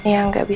iya kasih sih